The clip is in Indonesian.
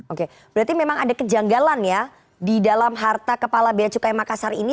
oke berarti memang ada kejanggalan ya di dalam harta kepala bea cukai makassar ini